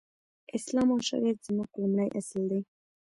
اسلام او شريعت زموږ لومړی اصل دی.